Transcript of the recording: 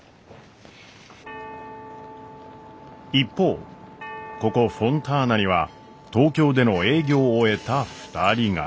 一方ここフォンターナには東京での営業を終えた２人が。